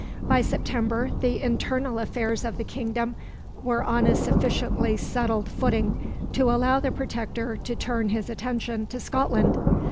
By September the internal affairs of the kingdom were on a sufficiently settled footing to allow the Protector to turn his attention to Scotland.